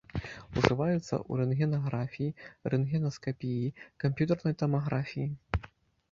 Ужываецца ў рэнтгенаграфіі, рэнтгенаскапіі, камп'ютарнай тамаграфіі.